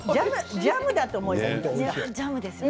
ジャムだと思いますね。